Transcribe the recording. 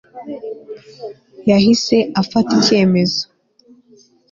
yahise afata icyemezo